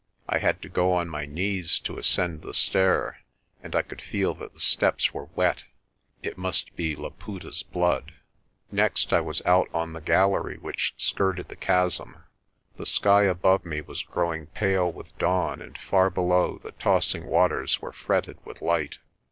I had to go on my knees to ascend the stair and I could feel that the steps were wet. It must be Laputa's blood. Next I was out on the gallery which skirted the chasm. The sky above me was growing pale with dawn and far below the tossing waters were fretted with light.